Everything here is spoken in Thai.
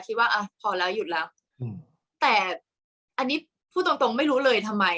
คิดว่าอ่ะพอแล้วหยุดแล้วแต่อันนี้พูดตรงตรงไม่รู้เลยทำไม